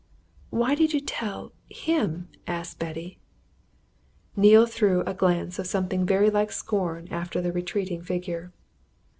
"Why did you tell him?" asked Betty. Neale threw a glance of something very like scorn after the retreating figure.